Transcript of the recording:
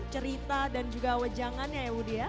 cerita dan juga wejangan ya ewo dia